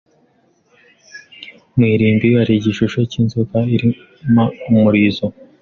Mu irimbi, hari igishusho cy'inzoka iruma umurizo.